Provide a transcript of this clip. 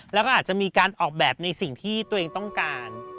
แล้วก็อาจจะมีการออกแบบในสิ่งที่ตัวเองต้องการ